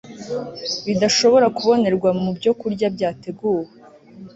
bidashobora kubonerwa mu byokurya byateguwe